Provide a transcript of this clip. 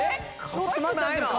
ちょっと待って。